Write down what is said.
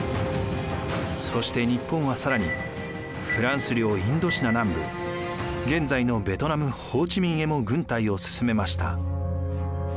そして日本は更にフランス領インドシナ南部現在のベトナム・ホーチミンへも軍隊を進めました。